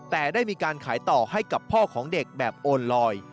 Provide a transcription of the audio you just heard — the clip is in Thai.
แต่ได้มีการขายต่อให้กับพ่อของเด็กแบบโอนลอย